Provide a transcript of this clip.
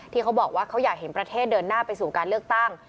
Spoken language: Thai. เขาบอกว่าเขาอยากเห็นประเทศเดินหน้าไปสู่การเลือกตั้ง